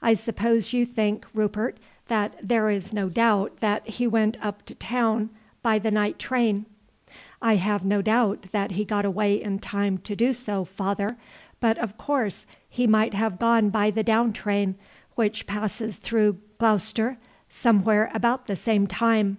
I suppose you think, Rupert, that there is no doubt that he went up to town by the night train." "I have no doubt that he got away in time to do so, father; but of course he might have gone by the down train, which passes through Gloucester somewhere about the same time."